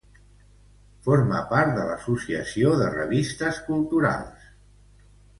Forma part de l'Associació de Revistes Culturals d'Espanya.